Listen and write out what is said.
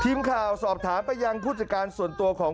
ทีมข่าวสอบถามไปยังผู้จัดการส่วนตัวของ